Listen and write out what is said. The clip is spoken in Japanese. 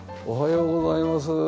おはようございます。